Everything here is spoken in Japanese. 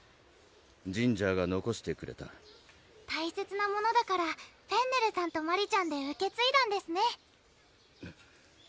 ジンジャーがのこしてくれた大切なものだからフェンネルさんとマリちゃんで受けついだんですね